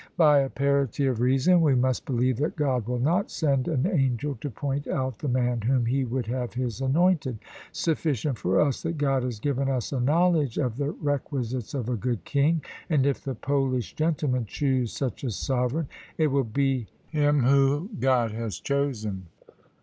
By a parity of reason we must believe that God will not send an angel to point out the man whom he would have his anointed; sufficient for us that God has given us a knowledge of the requisites of a good king; and if the Polish gentlemen choose such a sovereign, it will be him whom God has chosen."